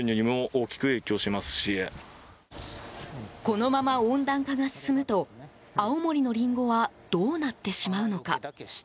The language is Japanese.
このまま温暖化が進むと青森のリンゴはどうなってしまうのか。